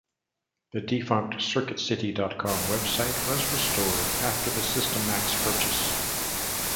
The defunct CircuitCity dot com website was restored after the Systemax purchase.